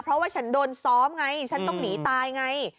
เพราะว่าฉันโดนซ้อมไงฉันต้องหนีตายไง